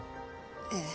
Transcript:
ええ。